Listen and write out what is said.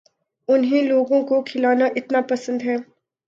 انھیں لوگوں کو کھلانا اتنا پسند ہے